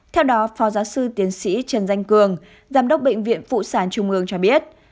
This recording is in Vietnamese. theo đó phó giáo sư tiến sĩ trần danh cường giám đốc bệnh viện phụ sản trung ương cho biết